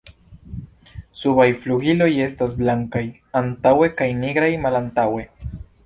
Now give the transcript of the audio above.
Subaj flugiloj estas blankaj antaŭe kaj nigraj malantaŭe.